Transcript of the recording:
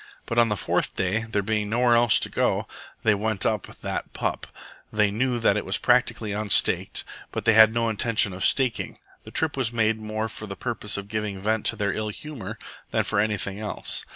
But on the fourth day, there being nowhere else to go, they went up "that pup." They knew that it was practically unstaked, but they had no intention of staking. The trip was made more for the purpose of giving vent to their ill humour than for anything else.